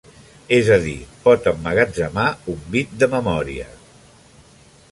És a dir, pot emmagatzemar un bit de memòria.